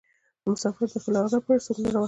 د مسافرو د ښه راغلي لپاره څوک نه راوتل.